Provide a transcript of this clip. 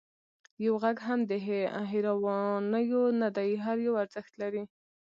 یو غږ هم د هېروانیو نه دی، هر یو ارزښت لري.